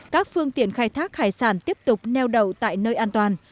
các phương tiện khai thác hải sản tiếp tục neo đậu tại nơi an toàn